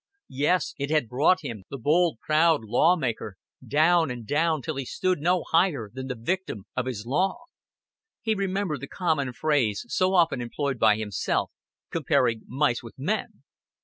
Yes, it had brought him, the bold, proud law maker, down and down till he stood no higher than the victim of his law. He remembered the common phrase so often employed by himself comparing mice with men.